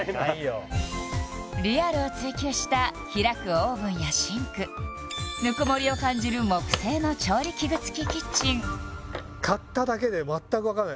リアルを追求した開くオーブンやシンクぬくもりを感じる木製の調理器具付きキッチン買っただけで全く分からない